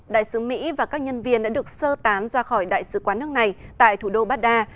đại sứ mỹ và các nhân viên đã được sơ tán ra khỏi đại sứ quán nước này tại thủ đô baghdad